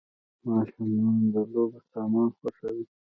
ماشومان د لوبو سامان خوښوي .